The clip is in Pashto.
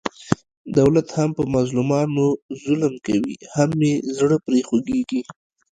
دولت هم په مظلومانو ظلم کوي، هم یې زړه پرې خوګېږي.